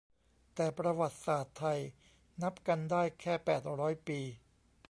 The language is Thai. แต่ประวัติศาสตร์ไทย นับกันได้แค่แปดร้อยปี